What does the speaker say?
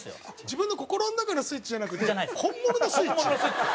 自分の心の中のスイッチじゃなくて本物のスイッチ？